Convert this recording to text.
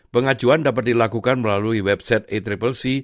pengajuan dapat dilakukan melalui website accc